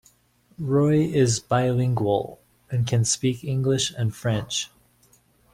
Roy is bilingual, and can speak English and French.